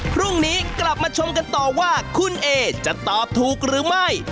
พรุ่งนี้กลับมาชมกันต่อว่าคุณเอจะตอบถูกหรือไม่